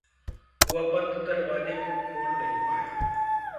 वह बंद दरवाज़े को खोल नहीं पाया।